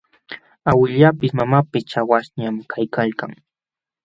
Awillapis mamapis chawaśhñam kaykalkan.